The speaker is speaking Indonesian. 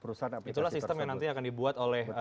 perusahaan itulah sistem yang nanti akan dibuat oleh